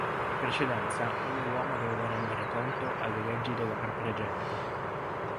In precedenza, ogni uomo doveva rendere conto alle leggi della propria gente.